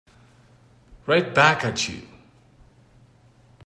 Right back at you.